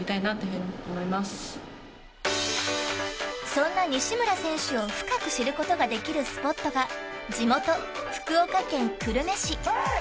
そんな西村選手を深く知ることができるスポットが地元・福岡県久留米市。